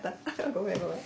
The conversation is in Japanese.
ごめんごめん。